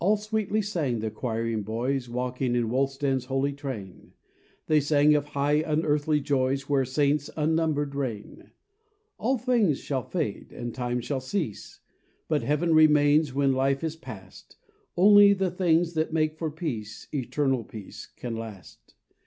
A ll sweetly sang the quiring boys Walking in Wulstan's holy train: They sang of high unearthly joys Where Saints unnumbered reign. "All things shall fade, and time shall cease, But Heaven remains when life is past; Only the things that make for peace, Eternal peace, can last.